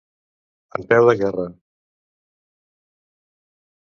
En peu de guerra.